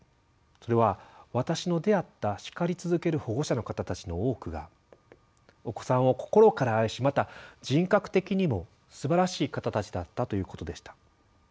それは私の出会った叱り続ける保護者の方たちの多くがお子さんを心から愛しまた人格的にもすばらしい方たちだったということでした。